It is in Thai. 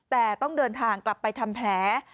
แต่ต้องเดินทางกลับไปทำแผล